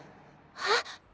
あっ。